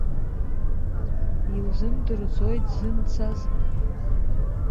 Иузымдырӡои дзымцаз?